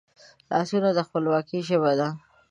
لاسونه د خپلواکي ژبه ده